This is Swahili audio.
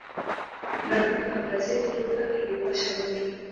nahodha wa brazil dunga aliuwasha moto